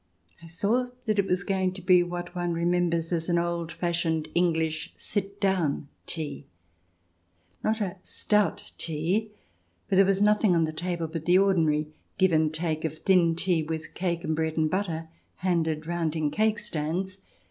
I saw that it was going to be what one remembers as an old fashioned English sit down tea — not a "stout" tea, for there was nothing on the table but the ordinary give and take of thin tea, with cake and bread and butter handed round in cake stands.